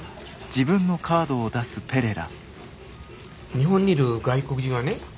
日本にいる外国人はね